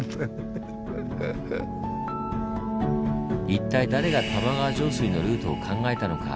一体誰が玉川上水のルートを考えたのか？